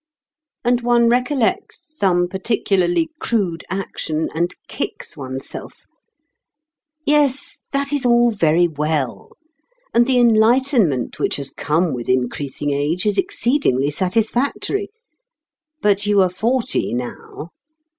And one recollects some particularly crude action, and kicks one's self.... Yes, that is all very well; and the enlightenment which has come with increasing age is exceedingly satisfactory. But you are forty now.